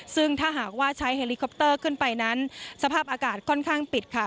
ซึ่งถ้าหากว่าใช้เฮลิคอปเตอร์ขึ้นไปนั้นสภาพอากาศค่อนข้างปิดค่ะ